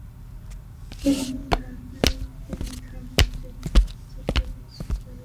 তিনি ধর্মের দিক থেকে কিছুটা বিচ্যুত হয়ে যান।